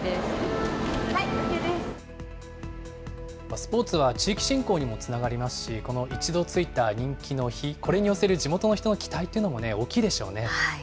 スポーツは地域振興にもつながりますし、この一度ついた人気の火、これによせる地元の人の期待というのも大きいでしょうね。